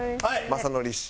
雅紀氏。